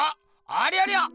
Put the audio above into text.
ありゃりゃ！